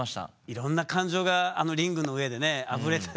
いろんな感情があのリングの上でねあふれたでしょうね。